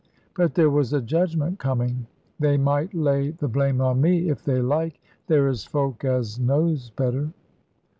But there was a judgment coming. They might lay the blame on me, if they like. There is folk as knows better.